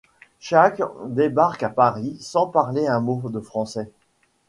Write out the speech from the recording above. Shake débarque à Paris sans parler un mot de français.